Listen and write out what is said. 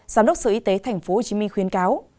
giám đốc sở y tế tp hcm khuyên cáo